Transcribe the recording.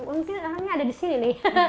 untungnya ada di sini nih